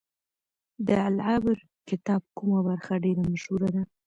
د العبر کتاب کومه برخه ډیره مشهوره ده؟